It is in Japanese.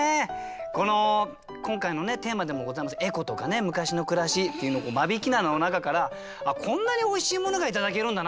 この今回のテーマでもございます「エコ」とか「昔の暮らし」っていうのを間引菜の中からこんなにおいしいものがいただけるんだな。